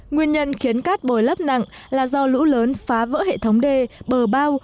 nguyên nhân khiến cát bồi lấp nặng là do lũ lớn phá vỡ hệ thống đê bờ bao